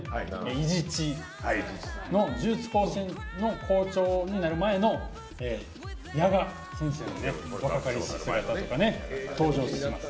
伊地知の呪術高専の校長になる前の夜蛾先生のね若かりし姿とかね登場します。